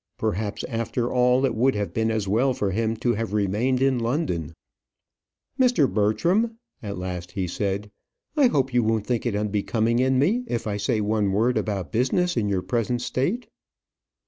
Perhaps after all it would have been as well for him to have remained in London. "Mr. Bertram," at last he said, "I hope you won't think it unbecoming in me if I say one word about business in your present state?"